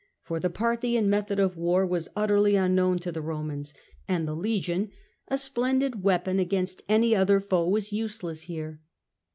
Por the Parthian method of war was utterly unknown to the Romans, and the legion, a splendid weapon against any other foe, was useless here.